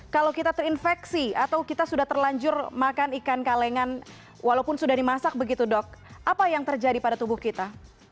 kalau kita terinfeksi atau kita sudah terlanjur makan ikan kalengan walaupun sudah dimasak begitu dok apa yang terjadi pada tubuh kita